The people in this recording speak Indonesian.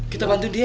kita bantu dia